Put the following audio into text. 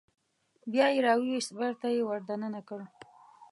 بیا یې راوویست بېرته یې ور دننه کړ.